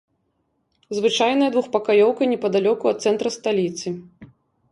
Звычайная двухпакаёўка непадалёку ад цэнтра сталіцы.